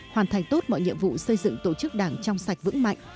hoàn thành tốt mọi nhiệm vụ xây dựng tổ chức đảng trong sạch vững mạnh